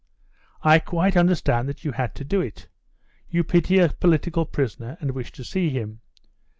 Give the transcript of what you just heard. "I quite understand that you had to do it. You pity a political prisoner and wish to see him.